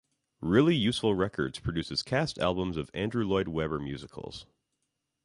Really Useful Records produces cast albums of Andrew Lloyd Webber musicals.